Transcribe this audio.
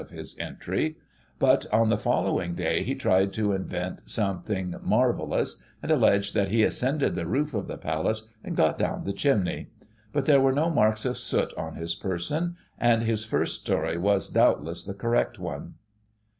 [1840 of his entry; but, on the following day, he tried to invent something marvellous, and alleged that he ascended the roof of the Palace, and got down the chimney; but there were no marks of soot on his person, and his first story was, doubt less, the correct one.